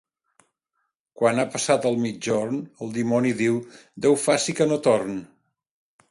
Quan ha passat el migjorn el dimoni diu: «Déu faci que no torn».